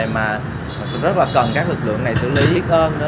mà rất là cần các lực lượng này xử lý thiết hơn